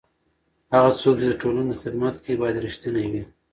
هغه څوک چې د ټولنې خدمت کوي باید رښتینی وي.